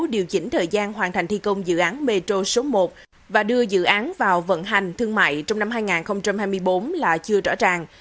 điều chỉnh thời gian hoàn thành thi công dự án metro số một và đưa dự án vào vận hành thương mại trong năm hai nghìn hai mươi bốn là chưa rõ ràng